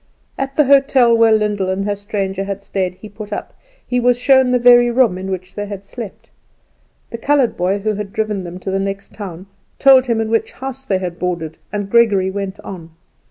At the hotel where Lyndall and her stranger had stayed he put up; he was shown the very room in which they had slept. The coloured boy who had driven them to the next town told him in which house they had boarded, and Gregory went on.